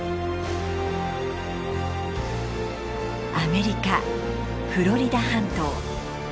アメリカフロリダ半島。